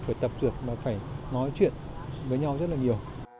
phải tập truyền và phải nói chuyện với nhau rất là nhiều